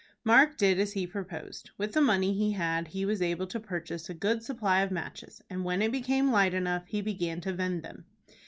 Mark did as he proposed. With the money he had he was able to purchase a good supply of matches, and when it became light enough he began to vend them.